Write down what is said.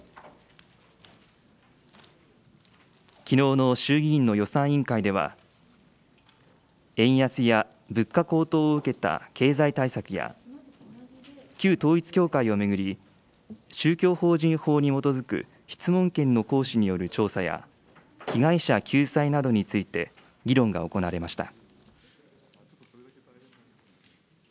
きのうの衆議院の予算委員会では、円安や物価高騰を受けた経済対策や、旧統一教会を巡り、宗教法人法に基づく質問権の行使による調査や、被害者救済などについて議論が行われました。